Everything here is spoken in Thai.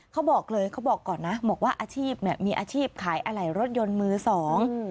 เขาบอกเลยเขาบอกก่อนนะบอกว่าอาชีพเนี่ยมีอาชีพขายอะไหล่รถยนต์มือสอง